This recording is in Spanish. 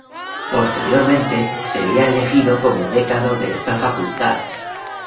Posteriormente, sería elegido como Decano de esta facultad.